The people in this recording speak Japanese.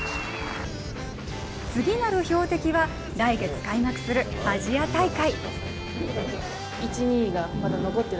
次なる標的は来月開幕するアジア大会。